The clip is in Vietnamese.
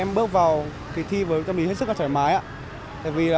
em bước vào thí thi với tâm lý hết sức và trải mái